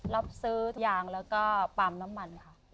รับซื้อยางแล้วก็ปาล์มน้ำมันค่ะ